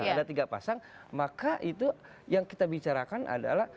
ada tiga pasang maka itu yang kita bicarakan adalah